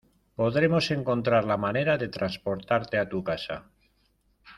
Podremos encontrar la manera de transportarte a tu casa.